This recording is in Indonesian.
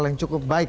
yang cukup baik